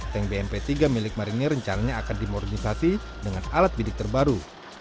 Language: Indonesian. tank bmp tiga milik marinir rencananya akan dimorisasi dengan alat bidik terbaru